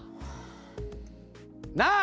なあ！